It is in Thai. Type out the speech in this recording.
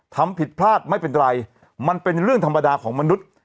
ทำผิดพลาดไม่เป็นไรมันเป็นเรื่องธรรมดาของมนุษย์